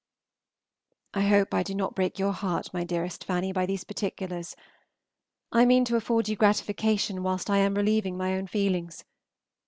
I hope I do not break your heart, my dearest Fanny, by these particulars; I mean to afford you gratification whilst I am relieving my own feelings.